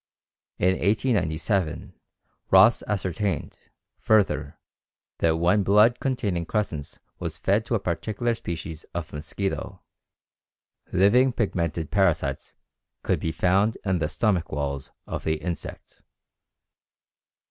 In 1897, Ross ascertained, further, that when blood containing crescents was fed to a particular species of mosquito, living pigmented parasites could be found in the stomach walls of the insect.